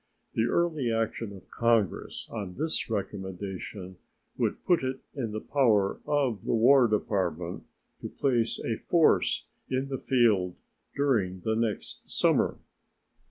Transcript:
The early action of Congress on this recommendation would put it in the power of the War Department to place a force in the field during the next summer.